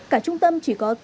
cả trung tâm chỉ có